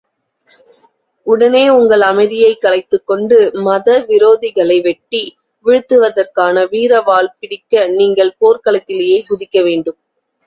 உடனே, உங்கள் அமைதியைக் கலைத்துக்கொண்டு மதவிரோதிகளை, வெட்டி வீழ்த்துவதற்கான வீர வாள் பிடிக்க நீங்கள் போர்க்களத்திலே, குதிக்க வேண்டும்.